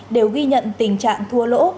đều ghi nhận tình trạng thua lỗ